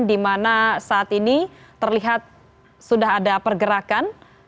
dimana saat ini terlihat sudah ada pergerakan